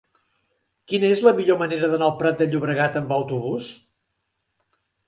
Quina és la millor manera d'anar al Prat de Llobregat amb autobús?